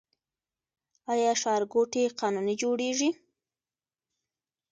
آیا ښارګوټي قانوني جوړیږي؟